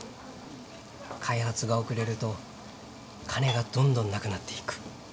開発が遅れると金がどんどんなくなっていく。